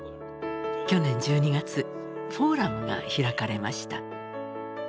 去年１２月フォーラムが開かれました。